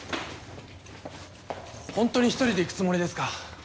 ホントに一人で行くつもりですか？